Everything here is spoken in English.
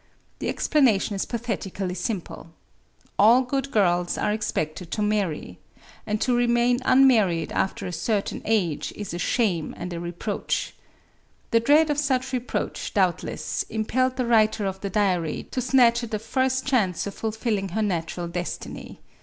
The explanation is pathetically simple. All good girls are expected to marry ; and to remain unmarried after a certain age is a shame and Digitized by Googk 124 A WOMAN'S DIARY a reproach. The dread of such reproach, doubtless, impelled the writer of the diary to snatch at the first chance of fulfilling her natural destiny.